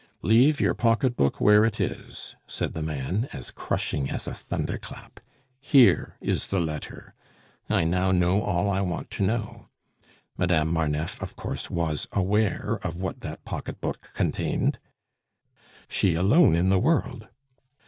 "Leave your pocketbook where it is," said the man, as crushing as a thunder clap. "Here is the letter. I now know all I want to know. Madame Marneffe, of course, was aware of what that pocketbook contained?" "She alone in the world."